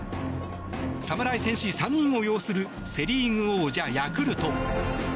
侍戦士３人を擁するセ・リーグ王者ヤクルト。